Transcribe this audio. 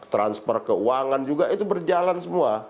transfer keuangan juga itu berjalan semua